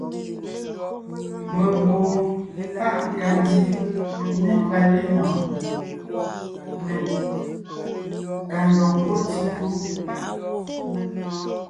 Mengwoon páʼ nkandi ne palénɔɔn, ne nkandoŋ pɔ́ tíkú.